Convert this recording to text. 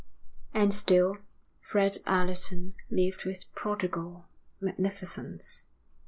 And still Fred Allerton lived with prodigal magnificence.